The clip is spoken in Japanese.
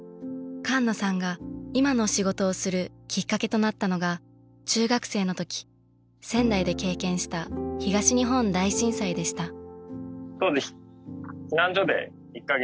菅野さんが今の仕事をするきっかけとなったのが中学生の時仙台で経験した東日本大震災でした。